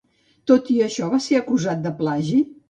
Tot i això, va ser acusat de plagi?